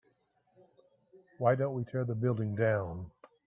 why don't we tear the building down?